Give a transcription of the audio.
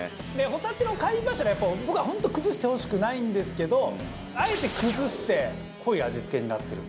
ホタテの貝柱やっぱ僕は本当は崩してほしくないんですけどあえて崩して濃い味付けになってる。